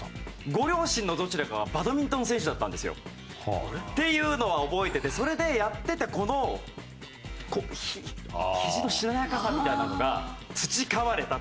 ご両親のどちらかはバドミントン選手だったんですよ。っていうのは覚えててそれでやっててこのこう肘のしなやかさみたいなのが培われたと。